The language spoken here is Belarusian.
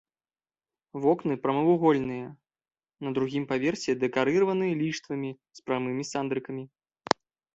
Вокны прамавугольныя, на другім паверсе дэкарыраваны ліштвамі з прамымі сандрыкамі.